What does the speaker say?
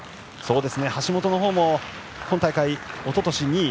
橋本のほうも今大会おととし２位